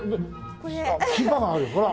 あっ牙があるよほら。